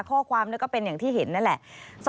ข้อความนี่ก็เป็นอย่างที่เห็นนั่นแหละ